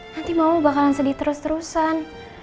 nanti mau bakalan sedih terus terusan